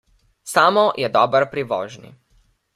Samo je dober pri vožnji.